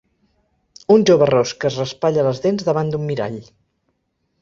Un jove ros que es raspalla les dents davant d'un mirall.